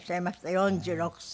４６歳。